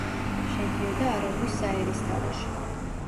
შედიოდა არაგვის საერისთავოში.